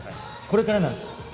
これからなんですから。